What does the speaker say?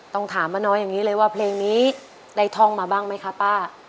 ต้องถามป้าน้อยอย่างนี้เลยว่าเพลงนี้ได้ท่องมาบ้างไหมคะป้า